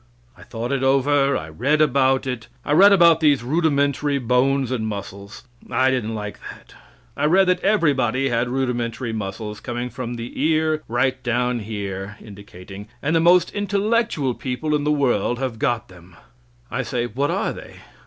I thought it over. I read about it. I read about these rudimentary bones and muscles. I didn't like that. I read that everybody had rudimentary muscles coming from the ear right down here (indicating); that the most intellectual people in the world have got them. I say, "What are they?"